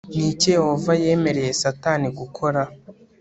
ni iki yehova yemereye satani gukora